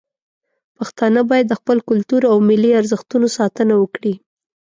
پښتانه باید د خپل کلتور او ملي ارزښتونو ساتنه وکړي.